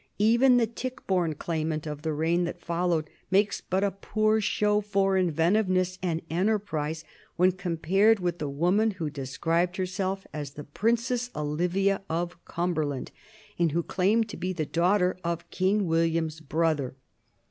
Even the Tichborne claimant of the reign that followed makes but a poor show for inventiveness and enterprise when compared with the woman who described herself as the Princess Olivia of Cumberland, and who claimed to be the daughter of King William's brother.